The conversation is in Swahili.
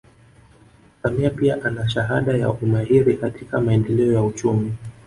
Samia pia ana shahada ya umahiri katika maendeleo ya uchumi